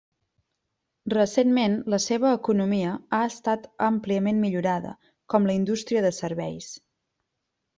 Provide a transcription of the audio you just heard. Recentment la seva economia ha estat àmpliament millorada, com la indústria de serveis.